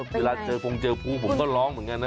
เวลาเจอพงเจอภูผมก็ร้องเหมือนกันนะ